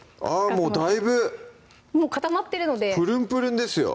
もうだいぶ固まってるのでぷるんぷるんですよ